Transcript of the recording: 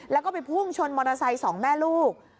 แล้วก็ไปพุ่งชนมอเตอร์ไซค์สองแม่ลูก